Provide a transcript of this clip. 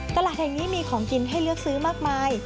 ตลาดแห่งนี้มีของกินให้เลือกซื้อมากมาย